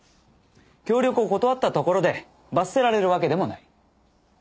協力を断ったところで罰せられるわけでもない。